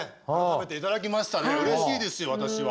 うれしいですよ私は。